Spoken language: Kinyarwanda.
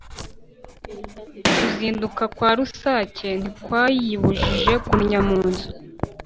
Kuzinduka kwa rusake ntikwayibujije kunnya mu nzu.